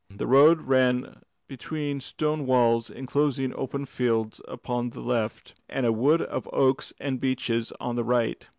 The road ran between stone walls enclosing open fields upon the left, and a wood of oaks and beeches on the right.